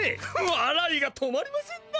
わらいが止まりませんな！